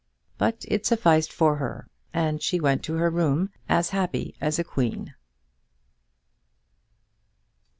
But it sufficed for her, and she went to her room as happy as a queen.